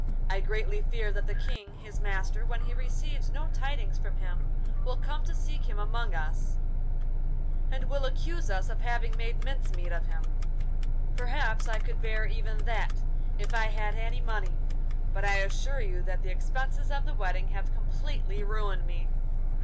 I greatly fear that the King, his master, when he receives no tidings from him, will come to seek him among us, and will accuse us of having made mince meat of him. Perhaps I could bear even that if I had any money, but I assure you that the expenses of the wedding have completely ruined me.